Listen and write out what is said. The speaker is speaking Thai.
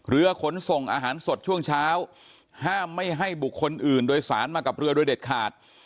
เรือขนส่งอาหารสดช่วงเช้าห้ามไม่ให้บุคคลอื่นโดยสารมากับเรือโดยเด็ดขาด